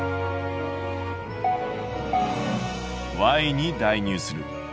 「に代入する」。